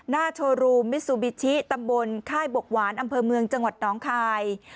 น่าโชรูมิซุบิทชิตำบลค่ายบวกหวานอำเผอร์เมืองจังหวัดน้องคาย